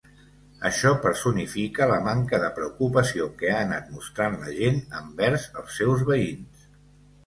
Això personifica la manca de preocupació que ha anat mostrant la gent envers els seus veïns.